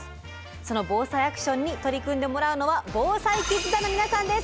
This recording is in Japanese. その「ＢＯＳＡＩアクション」に取り組んでもらうのはＢＯＳＡＩキッズ団の皆さんです。